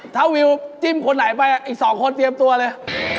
ถ้าวิวจิ้มคนไหนไปอีก๒คนเตรียมตัวเลย